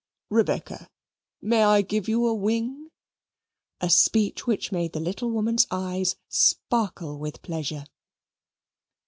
Rebecca, may I give you a wing?" a speech which made the little woman's eyes sparkle with pleasure.